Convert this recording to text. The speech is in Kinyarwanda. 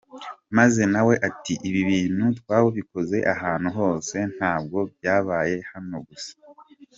Maze nawe ati ‘ibi bintu twabikoze ahantu hose, ntabwo byabaye hano gusa’.